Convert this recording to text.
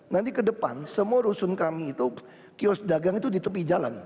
nanti ke depan semua rusun kami itu kios dagang itu di tepi jalan